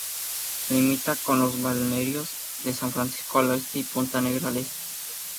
Limita con los balnearios de San Francisco al oeste y Punta Negra al este.